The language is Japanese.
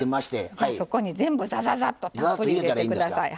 じゃあそこに全部ざざっとたっぷり入れて下さい。